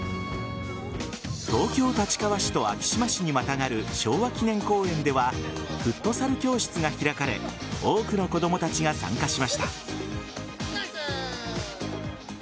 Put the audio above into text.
東京・立川市と昭島市にまたがる昭和記念公園ではフットサル教室が開かれ多くの子供たちが参加しました。